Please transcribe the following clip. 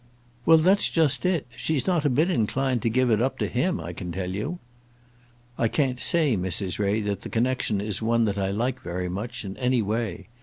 "Well, that's just it. She's not a bit inclined to give it up to him, I can tell you." "I can't say, Mrs. Ray, that the connexion is one that I like very much, in any way.